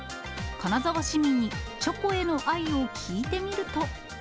金沢市民にチョコへの愛を聞いてみると。